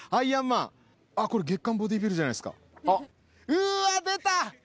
うわ出た！